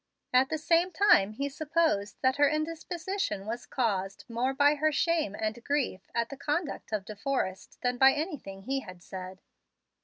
At the same time he supposed that her indisposition was caused more by her shame and grief at the conduct of De Forrest than by anything he had said.